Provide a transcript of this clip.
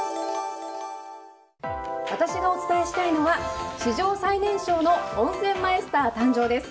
私がお伝えしたいのは史上最年少の温泉マイスター誕生です。